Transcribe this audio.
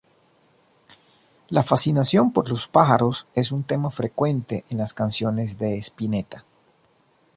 La fascinación por los pájaros es un tema frecuente en las canciones de Spinetta.